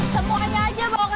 semuanya aja bawa kesini